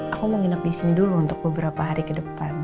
aku menginap di sini dulu untuk beberapa hari ke depan